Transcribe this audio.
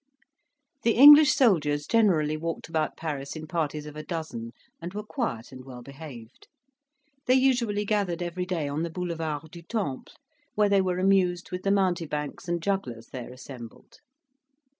The English soldiers generally walked about Paris in parties of a dozen, and were quiet and well behaved. They usually gathered every day on the Boulevard du Temple, where they were amused with the mountebanks and jugglers there assembled.